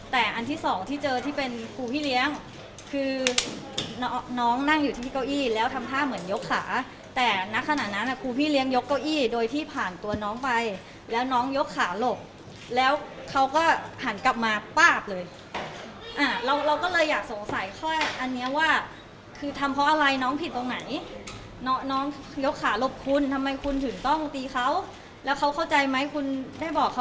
แต่อันที่สองที่เจอที่เป็นครูพี่เลี้ยงคือน้องน้องนั่งอยู่ที่เก้าอี้แล้วทำท่าเหมือนยกขาแต่ณขณะนั้นครูพี่เลี้ยงยกเก้าอี้โดยที่ผ่านตัวน้องไปแล้วน้องยกขาหลบแล้วเขาก็หันกลับมาป้าบเลยเราเราก็เลยอยากสงสัยข้ออันเนี้ยว่าคือทำเพราะอะไรน้องผิดตรงไหนน้องน้องยกขาหลบคุณทำไมคุณถึงต้องตีเขาแล้วเขาเข้าใจไหมคุณได้บอกเขา